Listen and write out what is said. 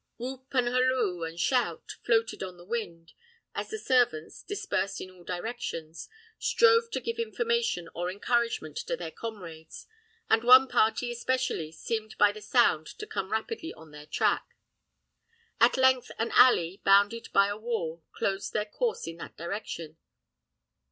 Whoop, and halloo, and shout, floated on the wind, as the servants, dispersed in all directions, strove to give information or encouragement to their comrades, and one party especially seemed by the sound to come rapidly on their track. At length an alley, bounded by a wall, closed their course in that direction.